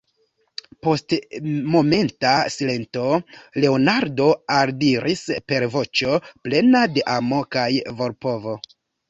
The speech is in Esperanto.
Post momenta silento Leonardo aldiris per voĉo plena de amo kaj volpovo: